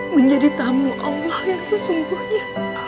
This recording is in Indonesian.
menjadi tamu allah yang sesungguhnya